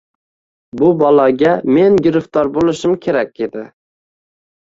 Bu baloga men giriftor bo‘lishim kerak edi